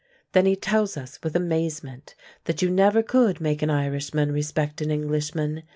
Then he tells us, with amazement, that you never could make an Irishman respect an Englishman!